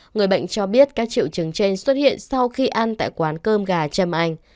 người bệnh cho biết các triệu chứng trên xuất hiện sau khi ăn tại quán cơm gà châm anh